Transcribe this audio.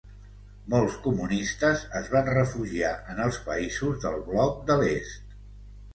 Molts comunistes es van refugiar en els països del bloc de l'Est.